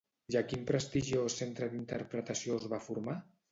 I a quin prestigiós centre d'interpretació es va formar?